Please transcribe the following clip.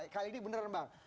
kali ini benar bang